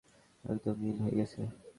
একদম নীল হয়ে গেছে।